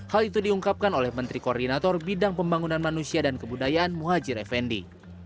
hal itu diungkapkan oleh menteri koordinator bidang pembangunan manusia dan kebudayaan muhajir effendi